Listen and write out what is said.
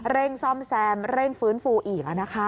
เร่งซ่อมแซมเร่งฟื้นฟูอีก